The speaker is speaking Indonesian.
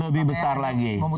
lebih besar lagi